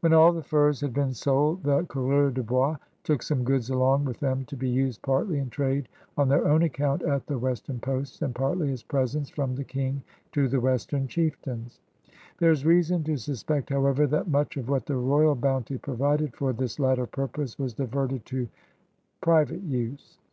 When cdl the furs had been sold, the coureurs de bois took some goods along with them to be used partly in trade on their own ac coimt at the western posts and partly as presents from the King to the western chieftains; There is reason to suspect, however, that much of what the royal bounty provided for this latter purpose was diverted to private use.